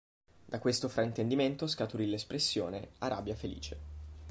Da questo fraintendimento scaturì l'espressione "Arabia felice".